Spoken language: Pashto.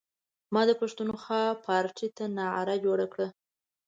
ما د پښتونخوا پارټۍ ته نعره جوړه کړه.